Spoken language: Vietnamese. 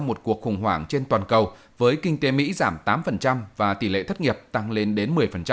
một cuộc khủng hoảng trên toàn cầu với kinh tế mỹ giảm tám và tỷ lệ thất nghiệp tăng lên đến một mươi